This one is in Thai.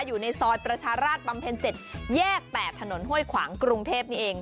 อยู่ในซอยประชาราชบำเพ็ญ๗แยก๘ถนนห้วยขวางกรุงเทพนี่เอง